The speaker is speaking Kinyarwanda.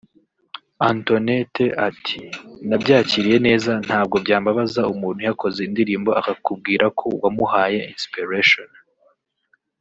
Antonette ati“Nabyakiriye neza ntabwo byambaza umuntu yakoze indirimbo akakubwira ko wamuhaye inspiration